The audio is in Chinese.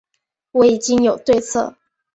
我已经有对策